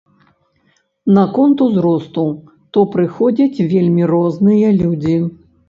Наконт узросту, то прыходзяць вельмі розныя людзі.